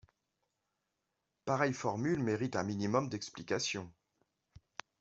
Pareille formule mérite un minimum d'explications.